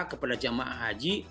kepada jamaah haji